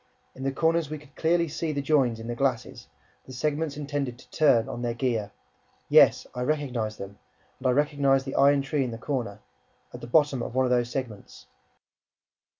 In the corners, we could clearly see the "joins" in the glasses, the segments intended to turn on their gear; yes, I recognized them and I recognized the iron tree in the corner, at the bottom of one of those segments